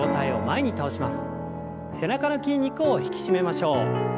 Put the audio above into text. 背中の筋肉を引き締めましょう。